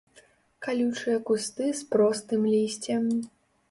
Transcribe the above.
Калючыя кусты з простым лісцем.